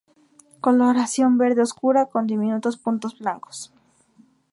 Coloración verde oscura con diminutos puntos blancos.